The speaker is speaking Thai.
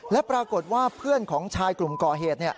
และปรากฏว่าเพื่อนของชายกลุ่มก่อเหตุ